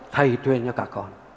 thầy truyền cho các con